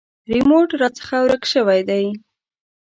ریموټ راڅخه ورک شوی دی .